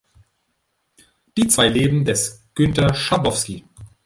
Die zwei Leben des Günter Schabowski".